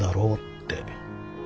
って。